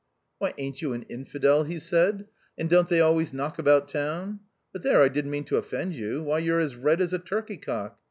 Why, aint you an infidel ?" he said. "And don't they always knock about town? But there, I didn't mean to offend you. Why, you're as red as a turkey cock